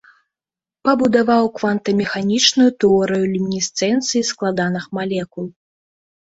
Пабудаваў квантавамеханічную тэорыю люмінесцэнцыі складаных малекул.